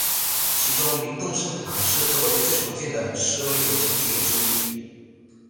其中明洞圣堂是作为最常见的示威游行地点之一。